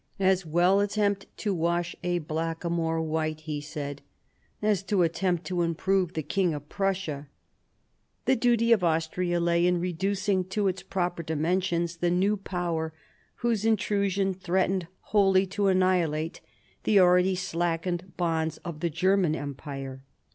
"As well attempt to wash a blackamoor white," he said, "as attempt to improve the King of Prussia." The duty of Austria lay in reducing to its proper dimensions the new Power whose intrusion threatened wholly to annihilate the already slackened bonds of the German Empire.